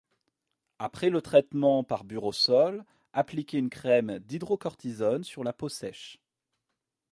Après le traitement par Buro-Sol, appliquer une crème d'hydro-cortisone sur la peau sèche.